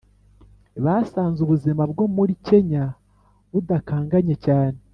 basanze ubuzima bwo muri Kenya budakanganye cyane.